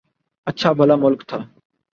اچھا بھلا ملک تھا۔